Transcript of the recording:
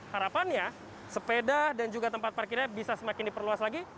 harapannya sepeda dan juga tempat parkirnya bisa semakin diperluas lagi